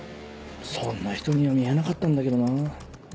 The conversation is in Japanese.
そんな人には見えなかったんだけどなぁ。